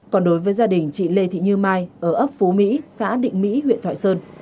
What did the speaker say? còn đối với gia đình chị lê thị như mai ở ấp phú mỹ xã định mỹ huyện thoại sơn